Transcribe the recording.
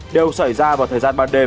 đều xảy ra vào thời gian ban đêm